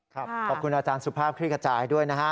ขอบคุณอาจารย์สุภาพคลิกกระจายด้วยนะฮะ